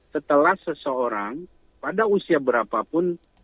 setelah seseorang pada usia berapapun